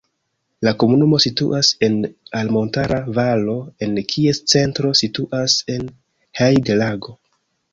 La komunumo situas en altmontara valo en kies centro situas la Heide-Lago.